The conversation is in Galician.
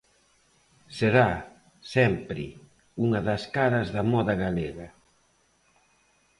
Será, sempre, unha das caras da moda galega.